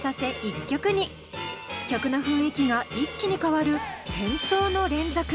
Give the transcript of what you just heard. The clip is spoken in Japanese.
曲の雰囲気が一気に変わる転調の連続。